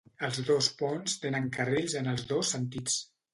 Els dos ponts tenen carrils en els dos sentits.